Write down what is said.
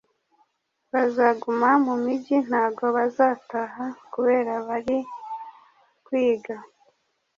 bazaguma mu migi ntago bazataha kubera bari kwiga